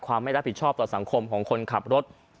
ไม่รับผิดชอบต่อสังคมของคนขับรถ